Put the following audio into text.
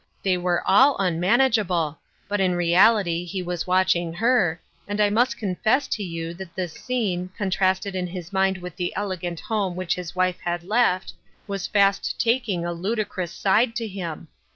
They were all unmanage able ; but in reality he was watching her, and I must confess to you that this scene, contrasted in his mind with the elegant home which his wife had left, was fast taking a ludicrous side to him.